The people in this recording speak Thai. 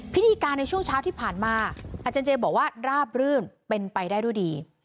พิธีการในช่วงเช้าที่ผ่านมาอาจารย์เจบอกว่าราบรื่นเป็นไปได้ด้วยดี